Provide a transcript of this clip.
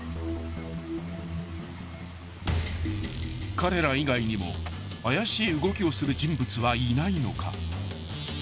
［彼ら以外にも怪しい動きをする人物はいないのか］